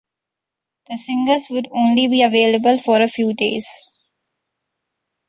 The singles would only be available for a few days.